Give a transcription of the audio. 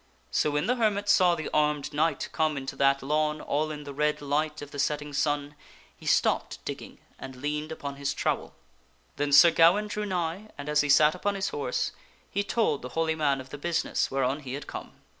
So when the hermit saw the armed knight come into that lawn all in the red light of the setting sun, he stopped digging and leaned upon his trowel. Then Sir Gawaine drew nigh, and, as he sat upon his horse, he told the holy man of the busi ness whereon he had come.